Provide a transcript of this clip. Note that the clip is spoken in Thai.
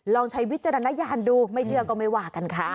ใช้วิจารณญาณดูไม่เชื่อก็ไม่ว่ากันค่ะ